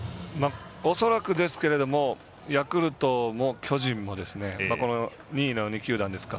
恐らくですけどヤクルトも巨人も２位の２球団ですか。